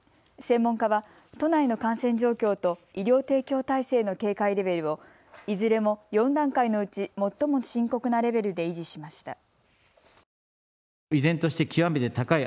専門家は都内の感染状況と医療提供体制の警戒レベルをいずれも４段階のうち最も深刻なレベルで維持しました。